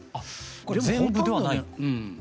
これ全部ではないと。